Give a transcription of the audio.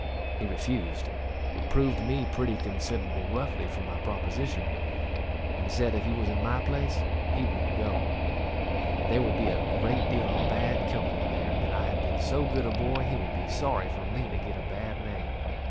He refused, and reproved me pretty considerable roughly for my proposition; and said, if he was in my place he wouldn't go; that there would be a great deal of bad company there; and that I had been so good a boy, he would be sorry for me to get a bad name.